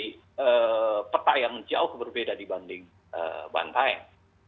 jadi peta yang jauh berbeda dibanding bantaeng